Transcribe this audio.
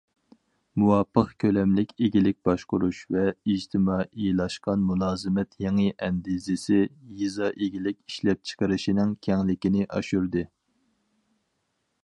مۇۋاپىق كۆلەملىك ئىگىلىك باشقۇرۇش ۋە ئىجتىمائىيلاشقان مۇلازىمەت يېڭى ئەندىزىسى يېزا ئىگىلىك ئىشلەپچىقىرىشىنىڭ كەڭلىكىنى ئاشۇردى.